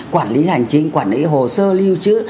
quản lý hành chính quản lý hồ sơ lưu trữ